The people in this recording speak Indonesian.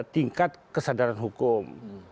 tingkat kesadaran hukum